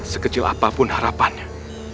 sekecil apapun harapannya